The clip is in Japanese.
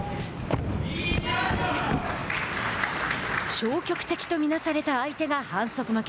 消極的とみなされた相手が反則負け。